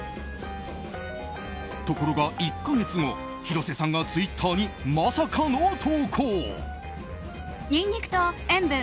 ところが１か月後広瀬さんがツイッターにまさかの投稿。